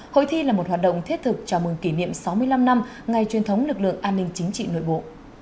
hội thi là một hoạt động thiết thực chào mừng kỷ niệm sáu mươi năm năm ngày truyền thống lực lượng an ninh chính trị nội bộ